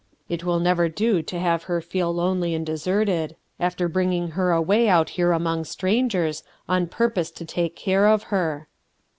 It will never do to have her feel lonely and deserted after 20 RUTII ERSKIN0S SON bringing her away out here among fetrangcre, on purpose to take care of her."